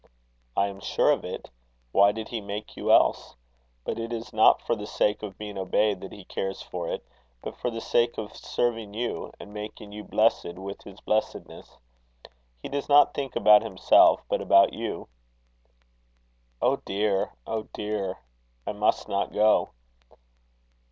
"I am sure of it. Why did he make you else? But it is not for the sake of being obeyed that he cares for it, but for the sake of serving you and making you blessed with his blessedness. He does not think about himself, but about you." "Oh, dear! oh, dear! I must not go."